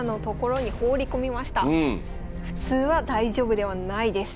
普通は大丈夫ではないです。